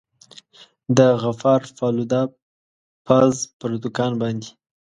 د غفار پالوده پز پر دوکان باندي.